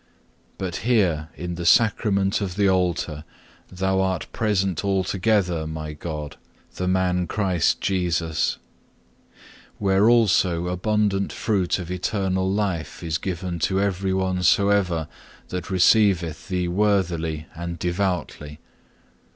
But here in the Sacrament of the Altar, Thou art present altogether, My God, the Man Christ Jesus; where also abundant fruit of eternal life is given to every one soever that receiveth Thee worthily and devoutly.